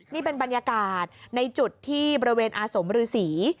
นี่เป็นบรรยากาศในจุดที่บริเวณอาสมฤษี